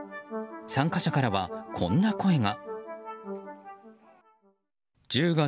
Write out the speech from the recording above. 参加者からはこんな声が。